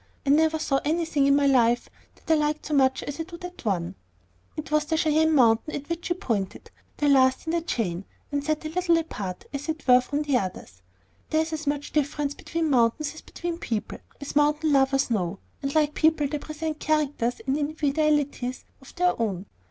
I never saw anything in my life that I liked so much as I do that one." It was Cheyenne Mountain at which she pointed, the last of the chain, and set a little apart, as it were, from the others. There is as much difference between mountains as between people, as mountain lovers know, and like people they present characters and individualities of their own.